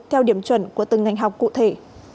theo điểm chuẩn của từng ngành học cụ thể